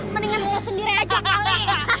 mendingan lo sendiri aja kali